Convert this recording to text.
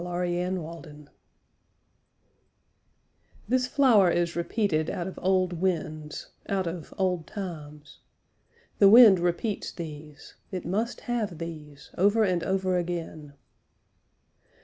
WINDFLOWER LEAF This flower is repeated out of old winds, out of old times. The wind repeats these, it must have these, over and over again.